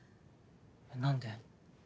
何で？